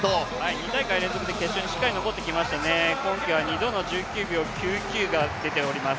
２大会連続でしっかり決勝に残ってきましたので、今季は２度の１９秒９９が出ております